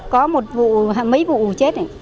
có một vụ mấy vụ chết